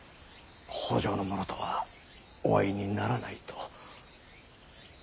北条の者とはお会いにならないと。